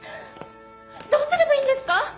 どうすればいいんですか？